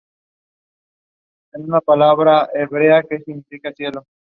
Sólo algunas bebidas tienen el privilegio de tener establecimiento con nombre propio.